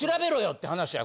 って話や。